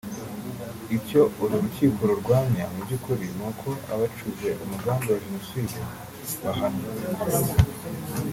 Icyo uru rukiko rurwanya mu by’ukuri ni uko abacuze umugambi wa Jenoside bahanwa